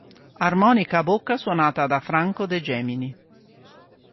Armonica a bocca suonata da Franco De Gemini.